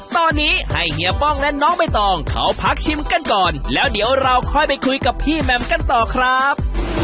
ตอนนี้ให้เฮียป้องและน้องใบตองเขาพักชิมกันก่อนแล้วเดี๋ยวเราค่อยไปคุยกับพี่แหม่มกันต่อครับ